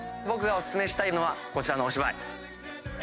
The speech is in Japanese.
僕がお薦めしたいのはこちらのお芝居。